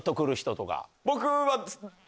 僕は。